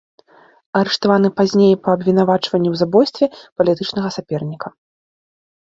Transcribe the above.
Арыштаваны пазней па абвінавачванні ў забойстве палітычнага саперніка.